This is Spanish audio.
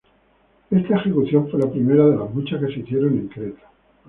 Esta ejecución fue la primera de las muchas que se hicieron en Creta.